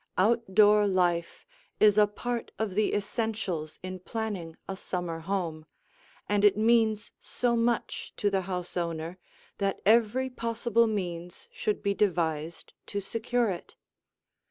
Out door life is a part of the essentials in planning a summer home, and it means so much to the house owner that every possible means should be devised to secure it.